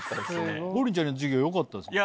王林ちゃんの授業よかったっすね。